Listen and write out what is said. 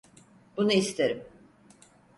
Bunu isterim.